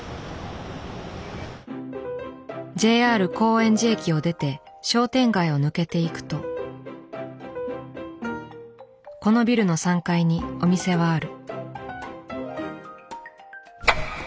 ＪＲ高円寺駅を出て商店街を抜けていくとこのビルの３階にお店はある。